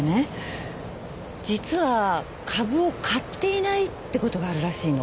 実は株を買っていないってことがあるらしいの。